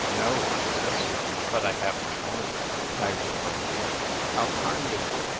" No," I answered. " But I have my own. I will bring it." " How kind of you